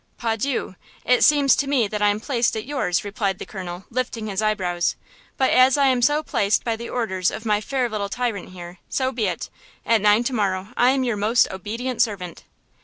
"Pardieu! It seems to me that I am placed at yours!" replied the colonel, lifting his eyebrows: "but as I am so placed by the orders of my fair little tyrant here, so be it–at nine to morrow I am your most obedient servant."